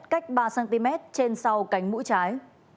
cách ba cm trên sau cánh mũi trái